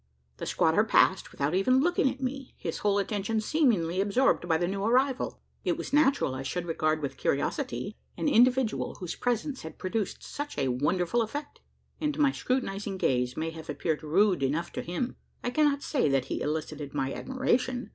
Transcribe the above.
The squatter passed, without even looking at me his whole attention seemingly absorbed by the new arrival! It was natural I should regard with curiosity an individual, whose presence had produced such a wonderful effect; and my scrutinising gaze may have appeared rude enough to him. I cannot say that he elicited my admiration.